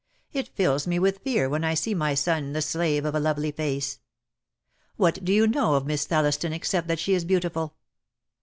It fills me with fear when I see my son the slave of a lovely face. ^Vhat do you know of Miss Thelliston except that she is beautiful?